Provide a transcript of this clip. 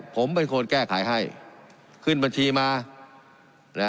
ผมเป็นคนแก้ไขให้ขึ้นบัญชีมานะ